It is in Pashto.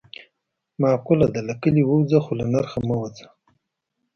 معقوله ده: له کلي ووځه خو له نرخ نه مه وځه.